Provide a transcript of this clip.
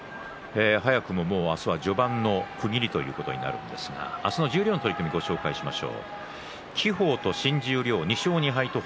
早くも明日は序盤の区切りということになるんですが十両の取組をご紹介します。